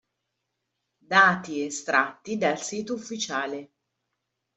Dati estratti dal sito ufficiale.